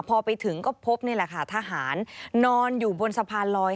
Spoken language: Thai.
พอไปถึงก็พบทหารนอนอยู่บนสะพานลอย